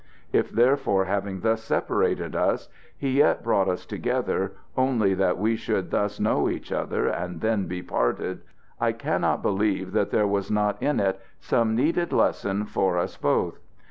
If, therefore, having thus separated us, he yet brought us together only that we should thus know each other and then be parted, I cannot believe that there was not in it some needed lesson for us both.